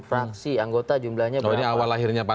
fraksi anggota jumlahnya berapa